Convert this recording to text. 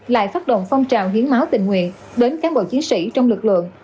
lại phát động phong trào hiến máu tình nguyện đến cán bộ chiến sĩ trong lực lượng